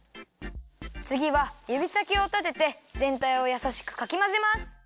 つぎはゆびさきをたててぜんたいをやさしくかきまぜます。